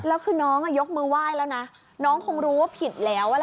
แล้วถ้าคุณน้องยกมือไหว่แล้วนะคุณน้องคงรู้ว่าผิดแล้วแหละ